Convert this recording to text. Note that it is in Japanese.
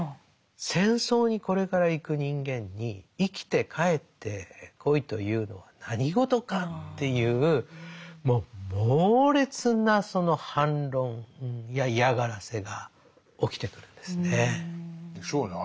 戦争にこれから行く人間に生きて帰ってこいというのは何事かっていうもう猛烈な反論や嫌がらせが起きてくるんですね。でしょうね。